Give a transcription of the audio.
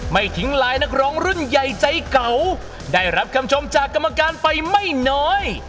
ไม่ทิ้งลายนักร้องรุ่นใหญ่ใจเก่าได้รับคำชมจากกรรมการไปไม่น้อย